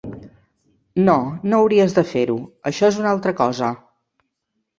No, no hauries de fer-ho: això és una altra cosa!